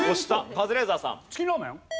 カズレーザーさん。